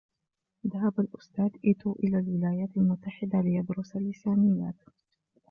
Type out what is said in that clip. ذهب الأستاذ إتو إلى الولايات المتحدة ليدرس اللسانيات.